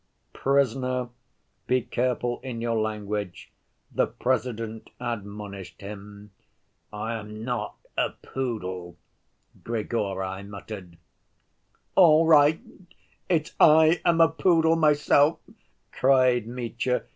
"Prisoner, be careful in your language," the President admonished him. "I am not a poodle," Grigory muttered. "All right, it's I am a poodle myself," cried Mitya.